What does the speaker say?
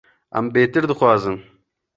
Em bêtir dixwazin.